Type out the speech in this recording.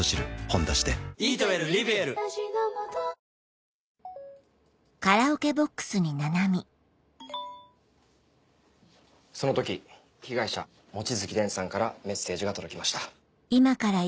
「ほんだし」でその時被害者・望月蓮さんからメッセージが届きました。